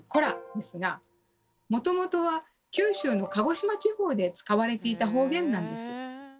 ですがもともとは九州の鹿児島地方で使われていた方言なんです。